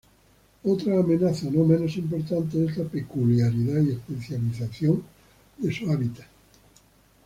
Otra amenaza no menos importante es la peculiaridad y especialización de su hábitat.